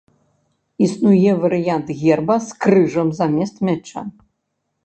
Існуе варыянт герба з крыжам замест мяча.